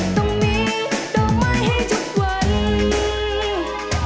ตรงนี้ดอกไม้ให้ทุกวัน